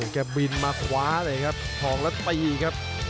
แกบวินมาขวาเลยครับทองละตีครับ